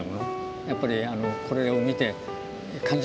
やっぱりこれを見て感じてほしい。